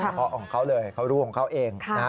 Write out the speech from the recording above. เพาะของเขาเลยเขารู้ของเขาเอง